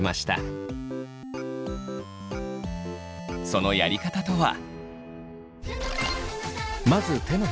そのやり方とは。